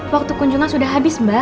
waktu kunjungan sudah habis mbak